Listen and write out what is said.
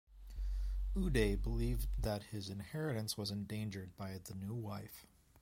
Uday believed that his inheritance was endangered by the new wife.